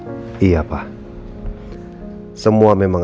akibatnya meng queens home park di daniel benso